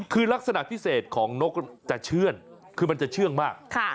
คือลักษณะพิเศษของนกจะเชื่อนคือมันจะเชื่องมาก